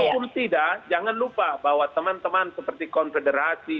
walaupun tidak jangan lupa bahwa teman teman seperti konfederasi